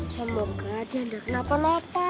semoga aja enggak kenapa napa